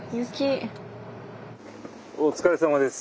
お疲れさまです。